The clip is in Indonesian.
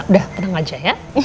udah tenang aja ya